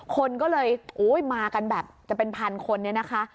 คนก็เลยมากันแบบจะเป็นพันคนเนี่ยนะคะ